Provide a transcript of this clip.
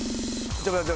ちょっと待って。